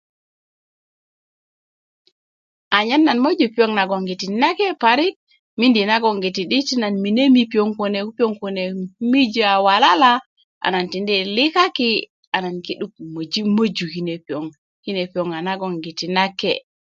anyen nan möju piyoŋ nagoŋgiti nake' parik miindi nagoŋgiti di ti nan mine mi piyoŋ kune ko piyoŋ kune a mijö a walala a nan tindi yi likaki' a nan ki'duk möji' möju kine piyoŋ kine piyoŋ a nagoŋgiti nake'